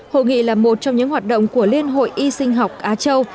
hội nghị là một trong những hoạt động của liên hội y sinh học á châu